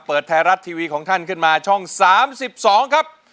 เปิดไทยรัฐทีวีของท่านขึ้นมาช่อง๓๒ครับ